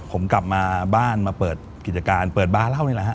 ผมกลับมาบ้านมาเปิดกิจการเปิดบ้านเล่านี่แหละฮะ